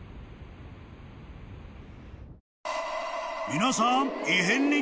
［皆さん異変に］